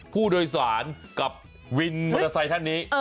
ผู้โดยสารกับวินมอเตอร์ไซค์ท่านนี้